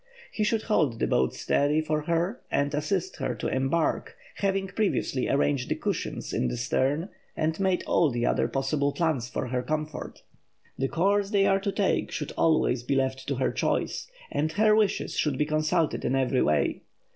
He should hold the boat steady for her and assist her to embark, having previously arranged the cushions in the stern and made all other possible plans for her comfort. The course they are to take should always be left to her choice, and her wishes should be consulted in every way.